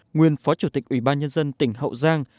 nguyên phó chủ tịch ủy ban nhân dân tỉnh hậu giang